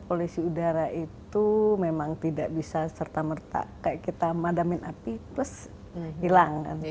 polisi udara itu memang tidak bisa serta merta kayak kita madamin api plus hilang kan